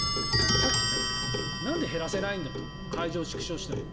さっき、なんで減らせないんだと会場縮小しても。